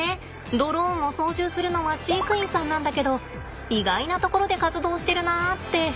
ドローンを操縦するのは飼育員さんなんだけど意外なところで活動してるなって。